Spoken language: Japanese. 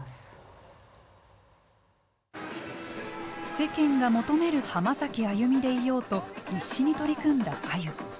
世間が求める「浜崎あゆみ」でいようと必死に取り組んだあゆ。